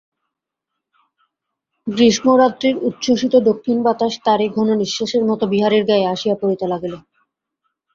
গ্রীষ্মরাত্রির উচ্ছ্বসিত দক্ষিণ বাতাস তারই ঘন নিশ্বাসের মতো বিহারীর গায়ে আসিয়া পড়িতে লাগিল।